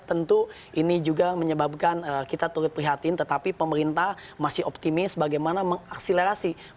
tentu ini juga menyebabkan kita turut prihatin tetapi pemerintah masih optimis bagaimana mengaksilerasi program peningkatan prestasi